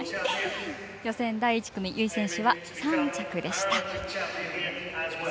予選第１組由井選手は３着でした。